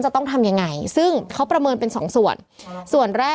จากที่ตอนแรกอยู่ที่๑๐กว่าขึ้นมาเป็น๒๐ตอนนี้๓๐กว่าศพแล้ว